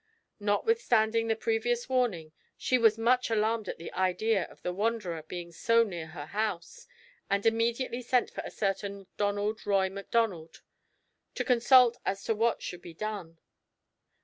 Notwithstanding the previous warning, she was much alarmed at the idea of the wanderer being so near her house, and immediately sent for a certain Donald Roy Macdonald, to consult as to what should be done.